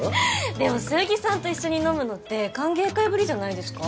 でもそよぎさんと一緒に飲むのって歓迎会ぶりじゃないですか？